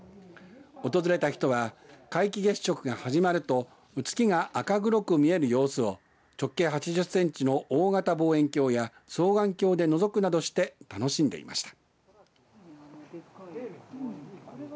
訪れた人は、皆既月食が始まると月が赤黒く見える様子を直径８０センチの大型望遠鏡や双眼鏡で、のぞくなどして楽しんでいました。